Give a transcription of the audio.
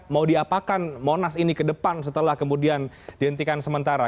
mau diapakan monas ini ke depan setelah kemudian dihentikan sementara